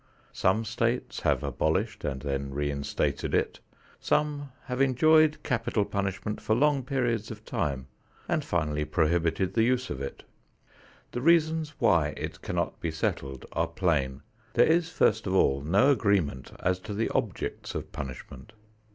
Some states have abolished and then reinstated it; some have enjoyed capital punishment for long periods of time and finally prohibited the use of it. The reasons why it cannot be settled are plain. There is first of all no agreement as to the objects of punishment.